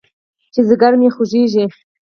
چې ځيگر مې خوږېږي.